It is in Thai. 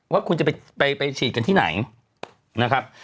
ว่าคุณจะไปฉีดกันที่ไหนนะครับ